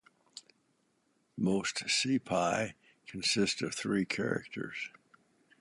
Most "cipai" consist of three characters.